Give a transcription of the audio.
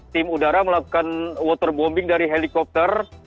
tim udara melakukan water bombing dari helikopter